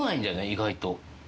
意外と。